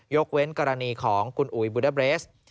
กเว้นกรณีของคุณอุ๋ยบุเดอร์เบรส